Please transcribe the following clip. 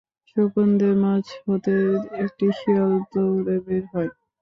শকুনদের মাঝ হতে একটি শিয়াল দৌড়ে বের হয়।